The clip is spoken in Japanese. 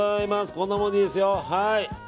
こんなもんでいいですよ。